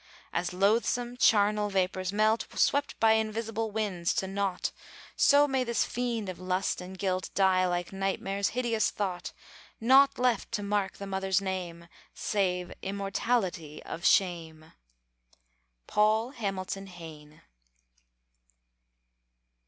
As loathsome, charnel vapors melt, Swept by invisible winds to naught, So, may this fiend of lust and guilt Die like nightmare's hideous thought! Naught left to mark the mother's name, Save immortality of shame! PAUL HAMILTON HAYNE.